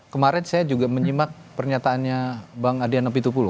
kemarin saya juga menyimak pernyataannya bang adriana pitupulu